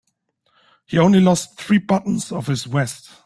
He only lost three buttons off his vest.